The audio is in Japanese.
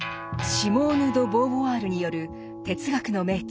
シモーヌ・ド・ボーヴォワールによる哲学の名著